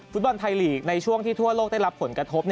ฟุตบอลไทยลีกในช่วงที่ทั่วโลกได้รับผลกระทบ